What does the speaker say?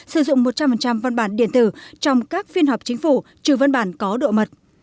sử dụng một trăm linh văn bản điện tử trong các phiên họp chính phủ trừ văn bản có độ mật